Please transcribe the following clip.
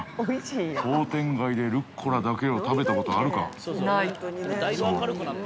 商店街でルッコラだけを食べたことあるか。